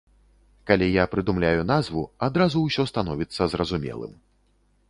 Калі я прыдумляю назву, адразу ўсё становіцца зразумелым.